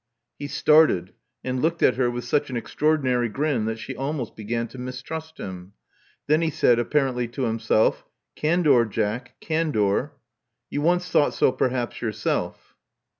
He started, and looked at her with such an extra ordinary grin that she almost began to mistrust him. Then he said, apparently to himself, Candor, Jack, candor. You once thought so, perhaps, yourself."